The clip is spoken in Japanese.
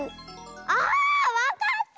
あわかった！